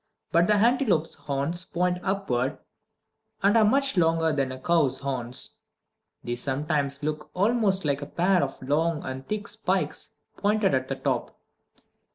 But the antelope's horns point upward, and are much longer than a cow's horns. They sometimes look almost like a pair of long and thick spikes, pointed at the top.